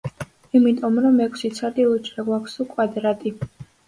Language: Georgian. იმიტომ რომ ექვსი ცალი უჯრა გვაქვს, თუ კვადრატი.